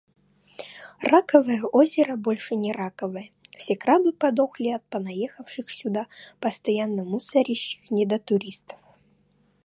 Раковое озеро больше не раковое. Все крабы подохли от понаехавших сюда, постоянно мусорящих недотуристов!